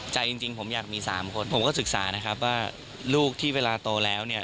ใจจริงผมอยากมี๓คนผมก็ศึกษานะครับว่าลูกที่เวลาโตแล้วเนี่ย